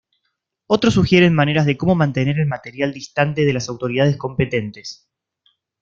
Otros sugieren maneras de como mantener el material distante de las autoridades competentes.